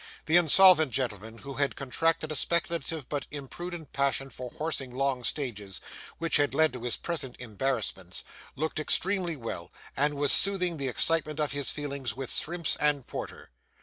The insolvent gentleman, who had contracted a speculative but imprudent passion for horsing long stages, which had led to his present embarrassments, looked extremely well, and was soothing the excitement of his feelings with shrimps and porter.